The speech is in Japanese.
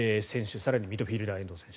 更にミッドフィールダーの遠藤選手。